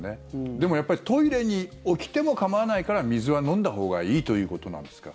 でもやっぱりトイレに起きても構わないから水は飲んだほうがいいということなんですか。